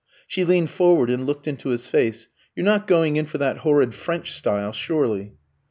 she leaned forward and looked into his face. "You're not going in for that horrid French style, surely?"